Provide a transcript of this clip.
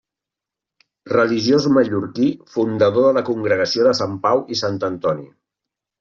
Religiós mallorquí fundador de la Congregació de Sant Pau i Sant Antoni.